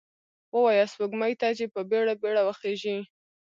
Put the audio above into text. ووایه سپوږمۍ ته، چې په بیړه، بیړه وخیژئ